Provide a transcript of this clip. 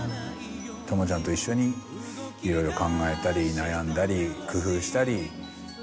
智ちゃんと一緒にいろいろ考えたり悩んだり工夫したり。